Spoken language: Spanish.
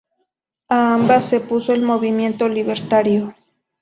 A ambas se opuso el Movimiento Libertario.